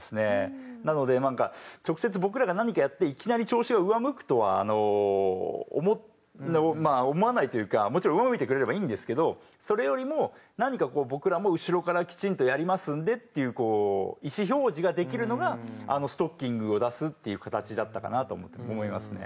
なので直接僕らが何かやっていきなり調子が上向くとは思わないというかもちろん上向いてくれればいいんですけどそれよりも何かこう僕らも後ろからきちんとやりますんでっていう意思表示ができるのがストッキングを出すっていう形だったかなと思いますね。